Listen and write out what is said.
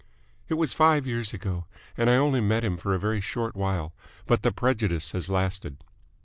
"It was five years ago, and I only met him for a very short while, but the prejudice has lasted."